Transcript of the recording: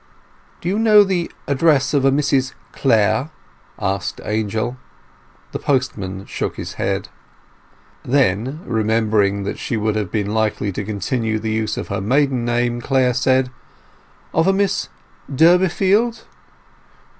"Do you know the address of a Mrs Clare?" asked Angel. The postman shook his head. Then, remembering that she would have been likely to continue the use of her maiden name, Clare said— "Of a Miss Durbeyfield?"